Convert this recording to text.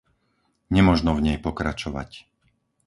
Nemožno v nej pokračovať.